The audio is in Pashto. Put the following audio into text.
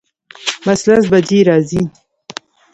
بس لس بجی راځي